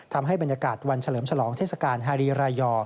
ทำให้บรรยากาศวันเฉลิมฉลองเทศกาลฮารีรายอร์